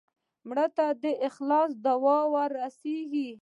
مړه ته د اخلاص دعا ورسوې